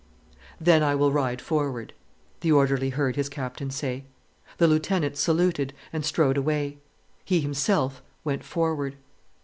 "Then I will ride forward," the orderly heard his Captain say. The lieutenant saluted and strode away. He himself went forward.